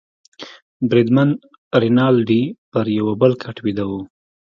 بریدمن رینالډي پر یوه بل کټ بیده وو.